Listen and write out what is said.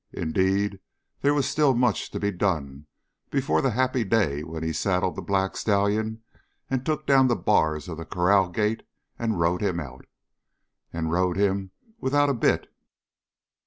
Indeed, there was still much to be done before the happy day when he saddled the black stallion and took down the bars of the corral gate and rode him out. And rode him without a bit!